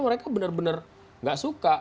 mereka bener bener nggak suka